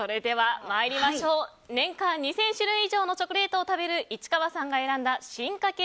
年間２０００種類以上のチョコレートを食べる市川さんが選んだ進化系